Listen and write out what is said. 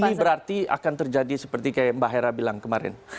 ini berarti akan terjadi seperti kayak mbak hera bilang kemarin